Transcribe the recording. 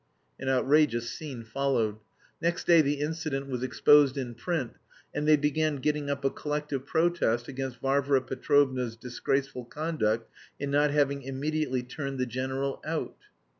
An outrageous scene followed. Next day the incident was exposed in print, and they began getting up a collective protest against Varvara Petrovna's disgraceful conduct in not having immediately turned the general out.